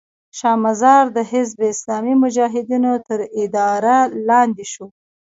شا مزار د حزب اسلامي مجاهدینو تر اداره لاندې شو.